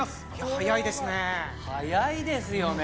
早いですよね。